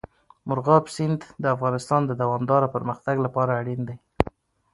مورغاب سیند د افغانستان د دوامداره پرمختګ لپاره اړین دی.